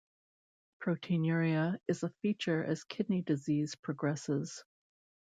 Proteinuria is a feature as kidney disease progresses.